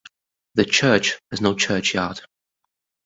The church has no churchyard.